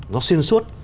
nó xuyên suốt